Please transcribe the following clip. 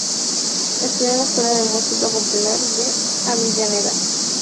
Estudió en la Escuela de Música Popular de Avellaneda.